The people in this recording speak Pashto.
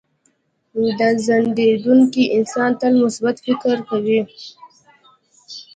• خندېدونکی انسان تل مثبت فکر کوي.